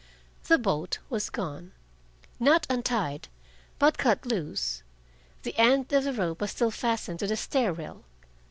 The boat was gone, not untied, but cut loose. The end of the rope was still fastened to the stair rail.